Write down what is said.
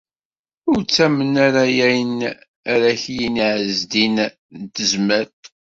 Ur ttamen ara ayen ara ak-yini Ɛezdin n Tezmalt.